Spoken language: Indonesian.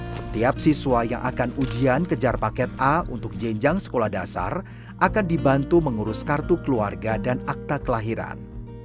setiap siswa yang akan ujian kejar paket a untuk jenjang sekolah dasar akan dibantu mengurus kartu keluarga dan akta kelahiran